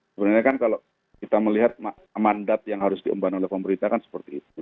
sebenarnya kan kalau kita melihat mandat yang harus diemban oleh pemerintah kan seperti itu